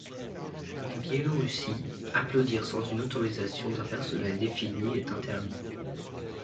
En Biélorussie, applaudir sans une autorisation d'un personnel défini est interdit.